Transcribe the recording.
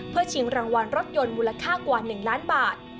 เพื่อชิงรางวัลรถยนต์มูลค่ากว่า๑ล้านบาท